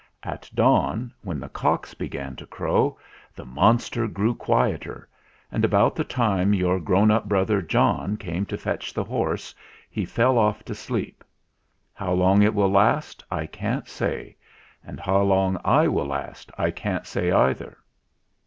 At dawn, when the cocks began to crow, the monster grew quieter ; and about the time your grown up brother John came to fetch the horse he fell off to sleep. How long it will last, I can't say; and how long I shall last I can't say either."